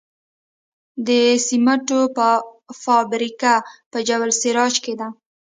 د سمنټو فابریکه په جبل السراج کې ده